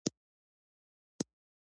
ایا ستاسو حوصله پراخه نه ده؟